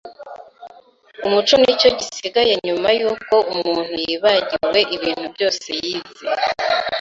Umuco nicyo gisigaye nyuma yuko umuntu yibagiwe ibintu byose yize.